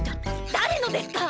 誰のですか！？